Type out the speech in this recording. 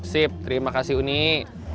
sip terima kasih unik